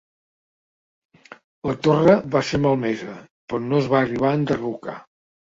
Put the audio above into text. La torre va ser malmesa, però no es va arribar a enderrocar.